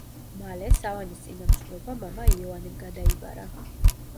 მალე, სავანის წინამძღვრობა მამა იოანემ გადაიბარა.